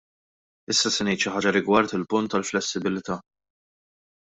Issa se ngħid xi ħaġa rigward il-punt tal-flessibilità.